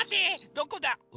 どこだ？